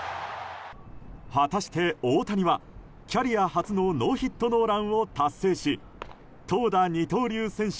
果たして大谷はキャリア初のノーヒットノーランを達成し投打二刀流選手